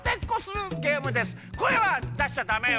こえはだしちゃダメよ。